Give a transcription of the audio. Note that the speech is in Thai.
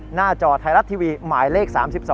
หน้าจอไทยรัฐทีวีหมายเลข๓๒